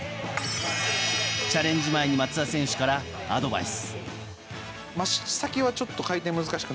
チャレンジ前に松田選手からアドバイス。